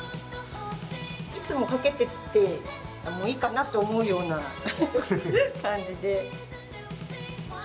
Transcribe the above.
いつも掛けてっていってもいいかなと思うような感じで。